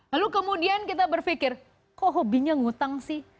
lalu kemudian kita berpikir kok hobinya ngutang sih